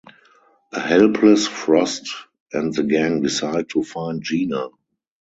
A helpless Frost and the gang decide to find Gina.